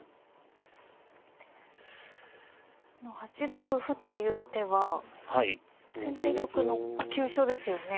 ８六歩という手は先手玉の急所ですよね。